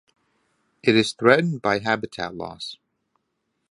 It is threatened by habitat loss.